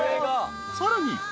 ［さらに］